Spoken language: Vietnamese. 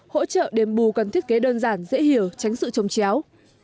hỗ trợ đềm bù cần thiết kế đơn giản dễ hiểu tránh sự trông chéo